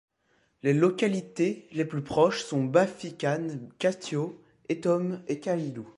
Les localités les plus proches sont Bafikane, Katio, Etome et Kailou.